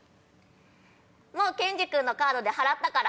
もうケンジ君のカードで払ったから。